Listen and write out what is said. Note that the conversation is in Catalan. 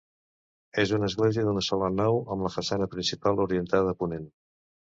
És una església d'una sola nau amb la façana principal orientada a ponent.